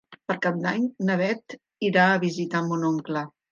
Per Cap d'Any na Beth irà a visitar mon oncle.